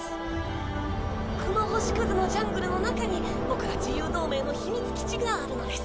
この星くずのジャングルの中にボクら自由同盟の秘密基地があるのです。